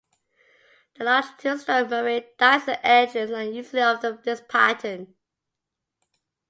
The large two-stroke marine diesel engines are usually of this pattern.